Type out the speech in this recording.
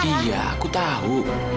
iya aku tahu